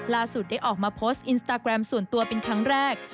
ได้ออกมาโพสต์อินสตาแกรมส่วนตัวเป็นครั้งแรก